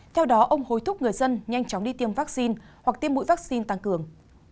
theo đó ông hối thúc người dân nhanh chóng đi tiêm vaccine hoặc tiêm mũi vaccine tăng cường